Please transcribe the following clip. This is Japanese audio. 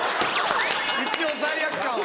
一応罪悪感は。